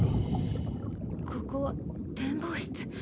ここは展望室？